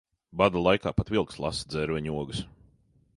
Bada laikā pat vilks lasa dzērveņu ogas.